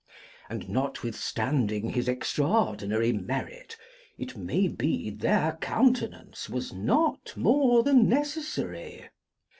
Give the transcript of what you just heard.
And notwithstanding his extraordinary merit, it may be their countenance was not more than necessary.